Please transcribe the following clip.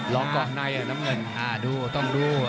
รอกอบในน้ำเงินดูต้องดู